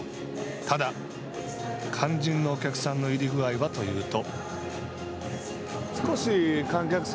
ただ、肝心のお客さんの入りぐあいはというと。